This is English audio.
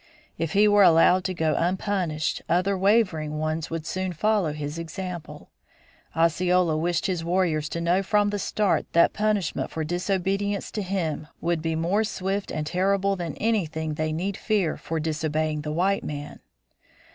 If he were allowed to go unpunished other wavering ones would soon follow his example. Osceola wished his warriors to know from the start that punishment for disobedience to him would be more swift and terrible than anything they need fear for disobeying the white man.